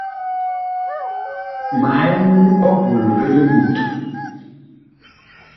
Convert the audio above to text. Ma ɛn ɔbul vi limut.